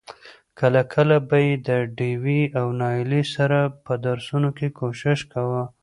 کله کله به يې د ډېوې او نايلې سره په درسونو کې کوشش کاوه.